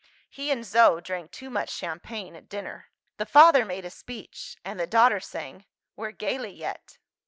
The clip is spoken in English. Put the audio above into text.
He and Zo drank too much champagne at dinner. The father made a speech; and the daughter sang, "We're gayly yet."